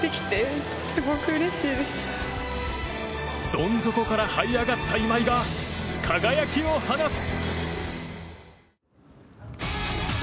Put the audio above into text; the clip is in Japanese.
どん底からはい上がった今井が輝きを放つ。